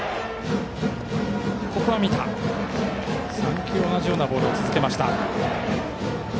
３球同じようなボールを続けました。